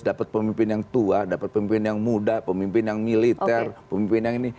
dapat pemimpin yang tua dapat pemimpin yang muda pemimpin yang militer pemimpin yang ini